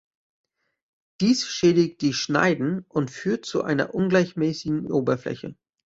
Dies schädigt die Schneiden und führt zu einer ungleichmäßigen Oberfläche.